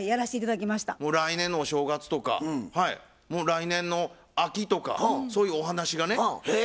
もう来年のお正月とかもう来年の秋とかそういうお話がね。へえ。